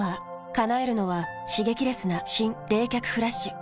叶えるのは刺激レスな新・冷却フラッシュ。